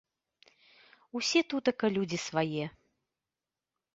Усе тутака людзі свае.